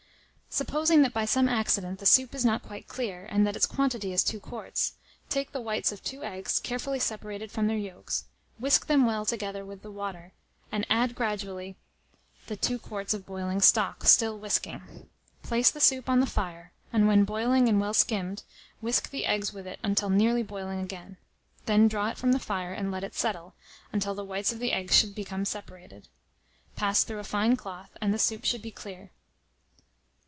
Supposing that by some accident the soup is not quite clear, and that its quantity is 2 quarts, take the whites of 2 eggs, carefully separated from their yolks, whisk them well together with the water, and add gradually the 2 quarts of boiling stock, still whisking. Place the soup on the fire, and when boiling and well skimmed, whisk the eggs with it till nearly boiling again; then draw it from the fire, and let it settle, until the whites of the eggs become separated. Pass through a fine cloth, and the soup should be clear.